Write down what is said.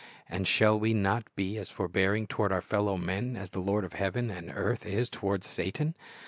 And shall we not be as forbearing toward our fellow men as the Lord of heaven and earth is toward Satan